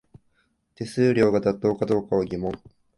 手数料が妥当かどうかは疑問